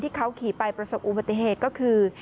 ที่เขาขี่ไปประสบอุบัติเหตุก็คือ